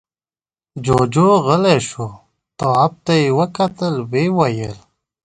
جُوجُو غلی شو. تواب ته يې وکتل، ويې ويل: